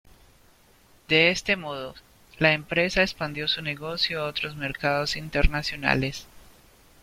De este modo, la empresa expandió su negocio a otros mercados internacionales.